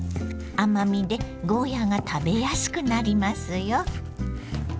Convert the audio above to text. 甘みでゴーヤーが食べやすくなりますよ。